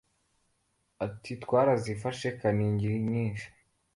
Ati “ twarazifashe kaningini nyinshi